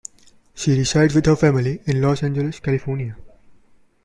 She resides with her family in Los Angeles, California.